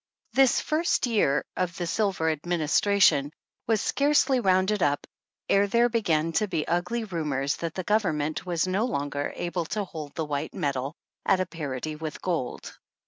This first year of the Silver Administration was scarcely rounded up, ere there began to be ugly rumors that the Government was no longer able to hold the white metal at a parity with gold.